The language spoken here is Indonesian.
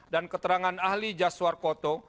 dan keterangan ahli jasuar koto